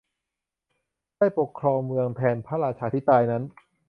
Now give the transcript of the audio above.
ได้ปกครองเมืองแทนพระราชาที่ตายนั้น